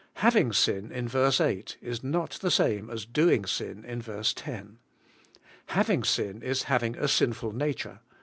Having sin in ver. 8 is not the same as doing sioi in ver. 10. Having sin is having a sinful nature.